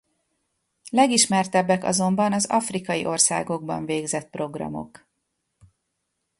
Legismertebbek azonban az afrikai országokban végzett programok.